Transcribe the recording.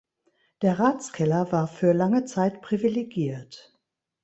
Der Ratskeller war für lange Zeit privilegiert.